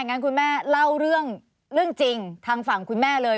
งั้นคุณแม่เล่าเรื่องจริงทางฝั่งคุณแม่เลย